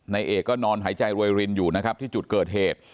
นายเอกก็นอนหายใจรวยรินอยู่นะครับที่จุดเกิดเหตุ